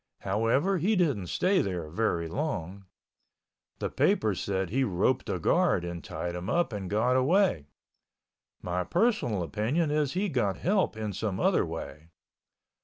However, he didn't stay there very long. The papers said he roped a guard and tied him up and got away. My personal opinion is he got help in some other way.